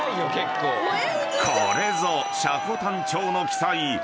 ［これぞ積丹町の奇祭］